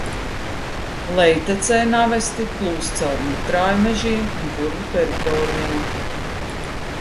Lejtecē Navesti plūst caur mitrāju mežiem un purvu teritorijām.